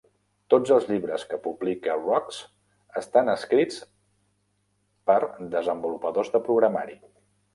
Tots els llibres que publica Wrox estan escrits per desenvolupadors de programari.